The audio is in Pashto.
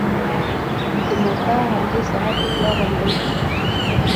د موته همدې ساحه کې دوه غونډۍ دي.